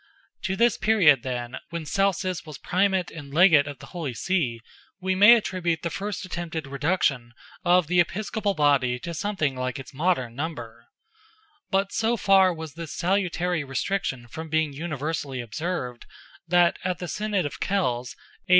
To this period, then, when Celsus was Primate and Legate of the Holy See, we may attribute the first attempted reduction of the Episcopal body to something like its modern number; but so far was this salutary restriction from being universally observed that, at the Synod of Kells (A.